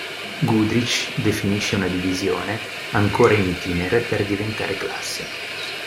Goodrich, definisce una divisione, ancora in itinere per diventare classe.